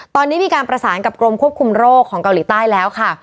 ตอนนี้มีการประสานกับกรมควบคุมโรคของเกาหลีใต้แล้วค่ะ